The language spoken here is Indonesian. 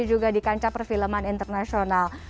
juga di kancah perfilman internasional